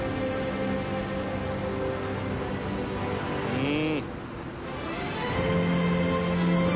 「うん！」